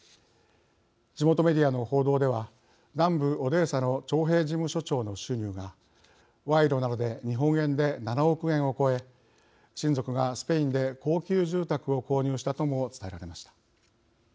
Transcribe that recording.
地元メディアの報道では南部オデーサの徴兵事務所長の収入が賄賂などで日本円で７億円を超え親族がスペインで高級住宅を購入したとも伝えられました。